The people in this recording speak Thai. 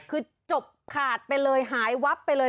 คือจบขาดไปเลยหายวับไปเลย